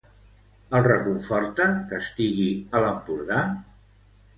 El reconforta que estigui a l'Empordà?